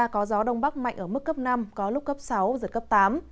có gió đông bắc mạnh ở mức cấp năm có lúc cấp sáu giật cấp tám